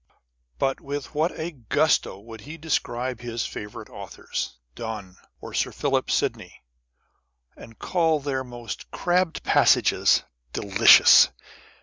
* But with what a gusto would he describe his favourite authors, Donne, or Sir Philip Sidney, and call their most crabbed passages delicious